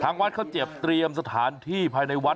นี่ก็เจ็บเตรียมสถานที่ภายในวัด